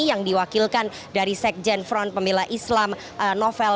yang diwakilkan dari sekjen front pembela islam novel